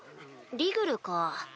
リグルか。